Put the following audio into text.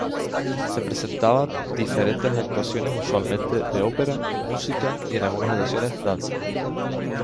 Se presentaban diferentes actuaciones usualmente de opera, música y en algunas ocasiones danza.